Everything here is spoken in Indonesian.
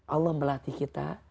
allah melatih kita